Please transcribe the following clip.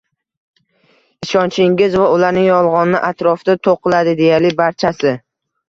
Ishonchingiz va ularning yolg‘oni atrofida to‘qiladi deyarli barchasi.